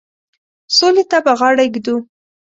سولي ته به غاړه ایږدي.